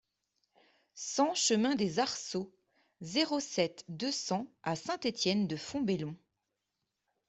cent chemin des Arceaux, zéro sept, deux cents à Saint-Étienne-de-Fontbellon